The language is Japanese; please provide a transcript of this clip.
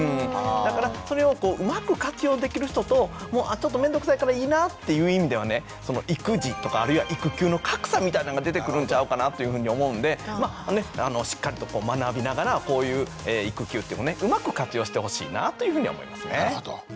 だからそれをうまく活用できる人ともうあちょっとめんどくさいからいいなっていう意味ではね育児とかあるいは育休の格差みたいなんが出てくるんちゃうかなというふうに思うんでまあねしっかりと学びながらこういう育休っていうのをねうまく活用してほしいなぁというふうには思いますね。